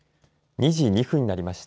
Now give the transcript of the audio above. ２時２分になりました。